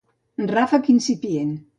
Ràfec incipient.